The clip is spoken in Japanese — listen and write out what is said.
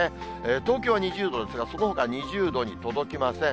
東京は２０度ですが、そのほか２０度に届きません。